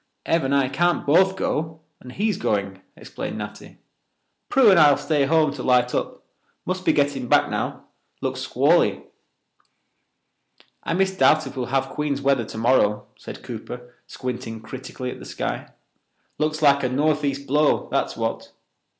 "Ev and I can't both go, and he's going," explained Natty. "Prue and I'll stay home to light up. Must be getting back now. Looks squally." "I misdoubt if we'll have Queen's weather tomorrow," said Cooper, squinting critically at the sky. "Looks like a northeast blow, that's what.